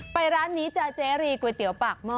ร้านนี้จะเจรีก๋วยเตี๋ยวปากหม้อ